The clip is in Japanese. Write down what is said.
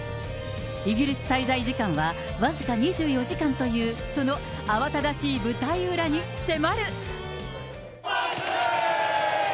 イギリス滞在時間は僅か２４時間という、その慌ただしい舞台裏に迫る。